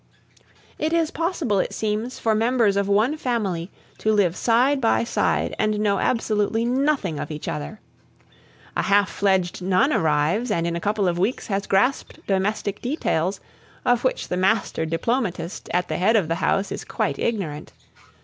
It is possible, it seems, for members of one family to live side by side and know absolutely nothing of each other. A half fledged nun arrives, and in a couple of weeks has grasped domestic details, of which the master diplomatist at the head of the house is quite ignorant.